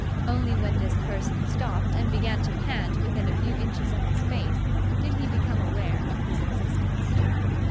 Only when this person stopped and began to pant within a few inches of his face did he become aware of his existence.